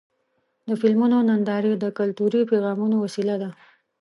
د فلمونو نندارې د کلتوري پیغامونو وسیله ده.